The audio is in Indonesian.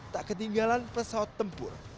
tak ketinggalan pesawat tempur